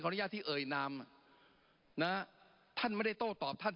ของรุงยาทีเอ่ยนามอ่านะฮะท่านไม่ได้โต้ตอบท่าน